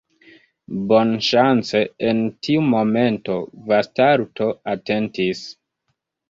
Bonŝance, en tiu momento Vastalto atentis.